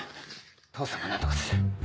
父さんが何とかする。